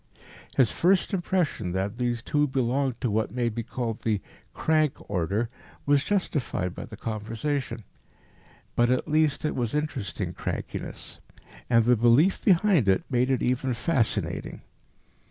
His first impression that these two belonged to what may be called the "crank" order was justified by the conversation. But, at least, it was interesting crankiness, and the belief behind it made it even fascinating.